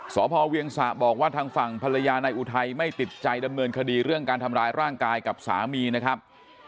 สพเวียงสะบอกว่าทางฝั่งภรรยานายอุทัยไม่ติดใจดำเนินคดีเรื่องการทำร้ายร่างกายกับสามีนะครับ